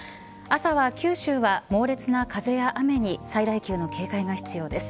朝は九州は猛烈な風や雨に最大級の警戒が必要です。